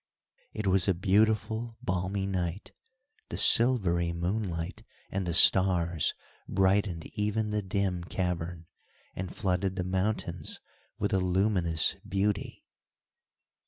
It was a beautiful, balmy night. The silvery moonlight and the stars brightened even the dim cavern, and flooded the mountains with a luminous beauty.